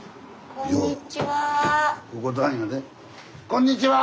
・こんにちは。